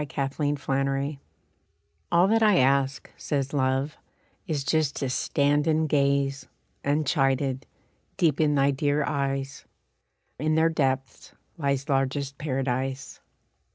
=All That Love Asks= "All that I ask," says Love, "is just to stand And gaze, unchided, deep in thy dear eyes; For in their depths lies largest Paradise.